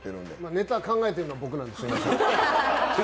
ネタ考えてるのは僕なんですけど。